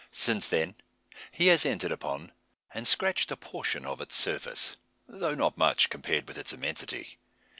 Since then he has entered upon, and scratched a portion of its surface; though not much, compared with its immensity.